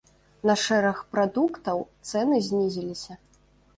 На шэраг прадуктаў цэны знізіліся.